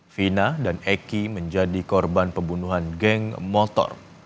fina dan eki menjadi korban pembunuhan geng motor